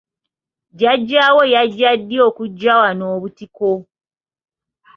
Jjajjaawo yajja ddi okuggya wano obutiko?